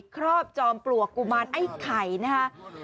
รอบจอมปลวกกุมารไอ้ไข่นะครับ